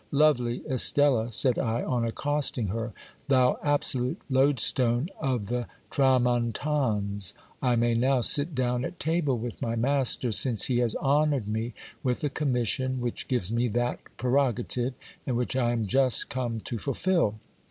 Lovely Estella, said I, on accosting her, thou absolute loadstone of the tramontanes, I may now sit down at table with my master, since he has honoured me with a commission which gives me that pre rogative, and which I am just come to fulfil.